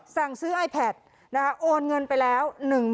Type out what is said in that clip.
สั่งซื้อไอแพทโอนเงินไปแล้ว